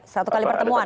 satu kali pertemuan